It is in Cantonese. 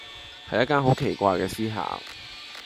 係一間好奇怪嘅私校⠀